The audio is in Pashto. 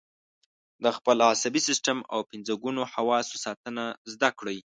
د خپل عصبي سیستم او پنځه ګونو حواسو ساتنه زده کړئ.